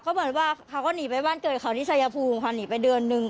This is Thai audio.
ก็เหมือนว่าเขาก็หนีไปบ้านเกิดเขาที่ชายภูมิค่ะหนีไปเดือนนึง